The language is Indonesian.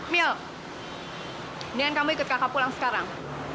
mil mendingan kamu ikut kakak pulang sekarang